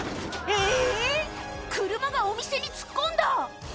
車がお店に突っ込んだ！